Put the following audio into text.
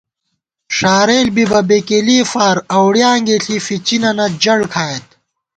ݭارېل بی بہ بېکېلےفار اوڑیانگےݪی فِچِنَنَہ جڑ کھائیت